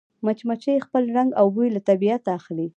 مچمچۍ خپل رنګ او بوی له طبیعته اخلي